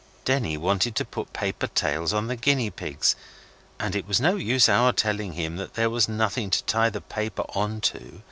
Denny wanted to put paper tails on the guinea pigs, and it was no use our telling him there was nothing to tie the paper on to.